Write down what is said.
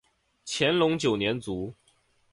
乾隆九年卒。